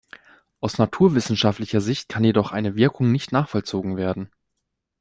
Aus naturwissenschaftlicher Sicht kann jedoch eine Wirkung nicht nachvollzogen werden.